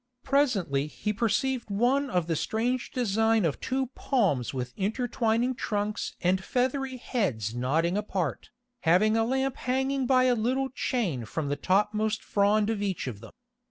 Presently he perceived one of the strange design of two palms with intertwining trunks and feathery heads nodding apart, having a lamp hanging by a little chain from the topmost frond of each of them.